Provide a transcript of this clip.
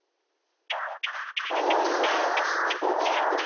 あ出てきた。